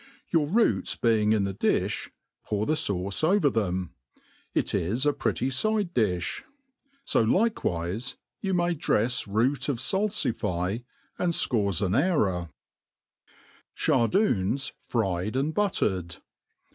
Your roots being in the difh, pour the fauce ovef them. It is a pretty fidc difli. So likcwifc you may drefs root of fal fify and fcorzoa^ra. Cbardoons fried and huttered.